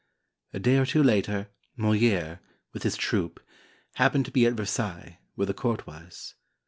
A day or two later, Moliere, with his troupe, happened to be at Versailles, where the court was.